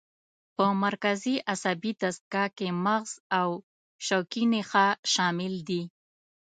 په مرکزي عصبي دستګاه کې مغز او شوکي نخاع شامل دي.